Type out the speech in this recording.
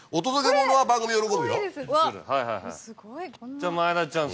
じゃあ前田ちゃん